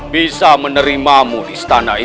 bisa menerimamu di istana ini